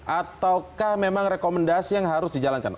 ataukah memang rekomendasi yang harus dijalankan